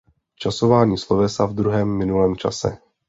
Časování slovesa v druhém minulém čase.